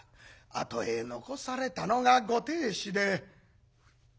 あとへ残されたのがご亭主で。